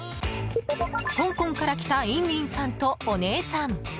香港から来たインリンさんとお姉さん。